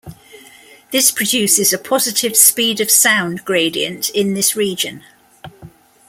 This produces a positive speed of sound gradient in this region.